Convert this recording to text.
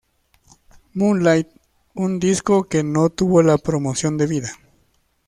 Moonlight" un disco que no tuvo la promoción debida.